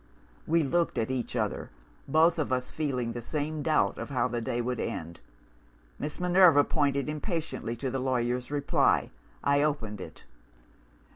"We looked at each other; both of us feeling the same doubt of how the day would end. Miss Minerva pointed impatiently to the lawyer's reply. I opened it.